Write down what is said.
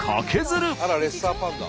あらレッサーパンダ。